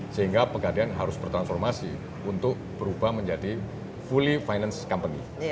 sehingga pegadaian harus bertransformasi untuk berubah menjadi fully finance company